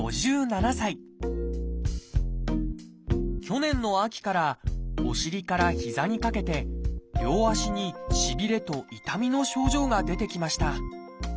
去年の秋からお尻から膝にかけて両足にしびれと痛みの症状が出てきました。